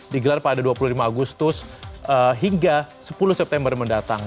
digelar pada dua puluh lima agustus hingga sepuluh september mendatang